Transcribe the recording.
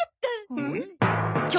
うん？